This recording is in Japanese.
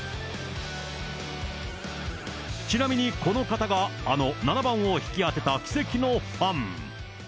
ちなみにこの方があの７番を引き当てた奇跡のファン。